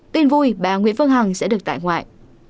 tin vui bà nguyễn phương hằng sẽ được tại ngoại